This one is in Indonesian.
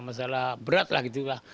masalah berat lah gitu lah